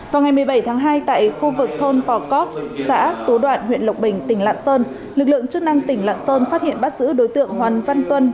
vào ngày một mươi bảy tháng hai tại khu vực thôn pò cóc xã tố đoạn huyện lộc bình tỉnh lạng sơn lực lượng chức năng tỉnh lạng sơn phát hiện bắt giữ đối tượng hoàng văn tuân